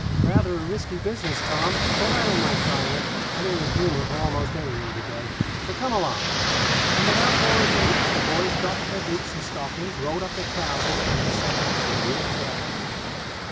"Rather a risky business, Tom, but I don't mind trying it. I'm in the humour for almost anything to day; so come along." And without more ado the boys doffed their boots and stockings, rolled up their trousers, and set out for the water's edge.